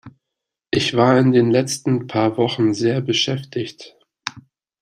Ich war in den letzten paar Wochen sehr beschäftigt.